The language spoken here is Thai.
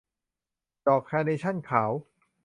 ดอกคาร์เนชั่นขาว